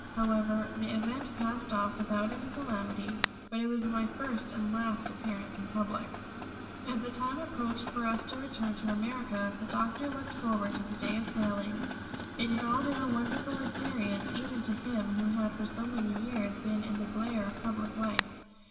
However, the event passed off without any calamity but it was my first and last appearance in public. As the time approached for us to return to America the Doctor looked forward to the day of sailing. It had all been a wonderful experience even to him who had for so many years been in the glare of public life.